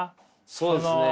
そうですね。